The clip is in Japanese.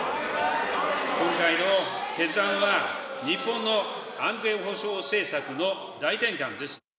今回の決断は、日本の安全保障政策の大転換です。